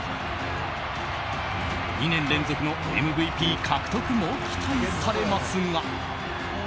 ２年連続のＭＶＰ獲得も期待されますが。